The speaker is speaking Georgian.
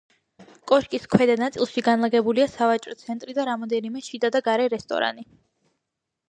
კოშკის ქვედა ნაწილში განლაგებულია სავაჭრო ცენტრი და რამდენიმე შიდა და გარე რესტორანი.